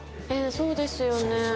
そうですよね。